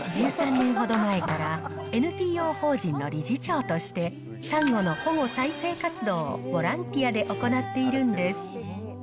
１３年ほど前から、ＮＰＯ法人の理事長として、サンゴの保護再生活動をボランティアで行っているんです。